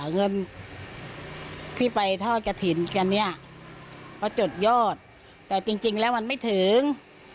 เงินที่ไปทอดกระถิ่นกันเนี่ยเขาจดยอดแต่จริงแล้วมันไม่ถึง